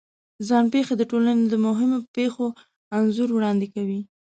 ځان پېښې د ټولنې د مهمو پېښو انځور وړاندې کوي.